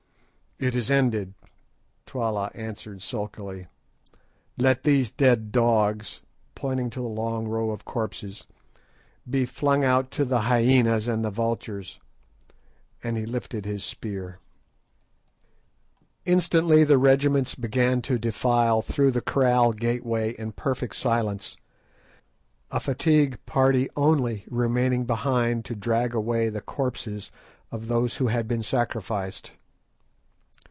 "It is ended," Twala answered sulkily. "Let these dead dogs," pointing to the long rows of corpses, "be flung out to the hyænas and the vultures," and he lifted his spear. Instantly the regiments began to defile through the kraal gateway in perfect silence, a fatigue party only remaining behind to drag away the corpses of those who had been sacrificed.